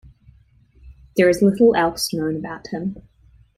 There is little else known about him.